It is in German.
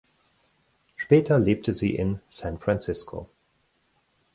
Später lebte sie in San Francisco.